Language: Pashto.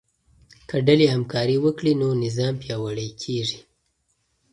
که ډلې همکاري وکړي نو نظام پیاوړی کیږي.